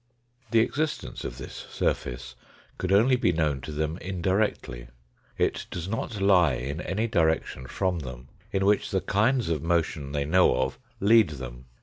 The existence of this surface could only be known to them indirectly. It does not lie in any direction from them in which the kinds of motion they know of leads them.